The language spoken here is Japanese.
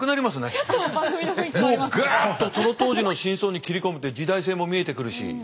もうグッとその当時の真相に切り込むと時代性も見えてくるし。